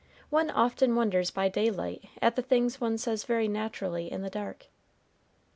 One often wonders by daylight at the things one says very naturally in the dark.